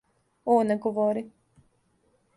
О, не говори.